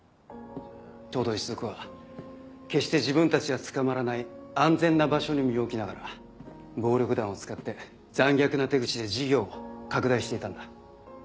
藤堂一族は決して自分たちは捕まらない安全な場所に身を置きながら暴力団を使って残虐な手口で事業を拡大していたんだ。